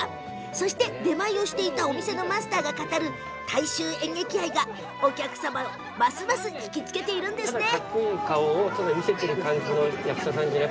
そして出前をしていたお店のマスターが語る大衆演劇愛がお客様を、ますますひきつけているんですね。